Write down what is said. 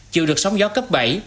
chiều được sóng gió cấp bảy